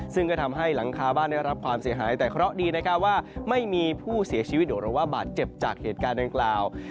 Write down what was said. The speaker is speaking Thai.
ซึ่งก็ทำให้หลังคาบ้านได้รับความเสียหายแต่เคราะห์ดีนะครับว่าไม่มีผู้เสียชีวิตหรือว่าบาดเจ็บจากเหตุการณ์ดังกล่าว